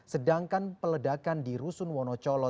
sedangkan peledakan di rusun wonocolo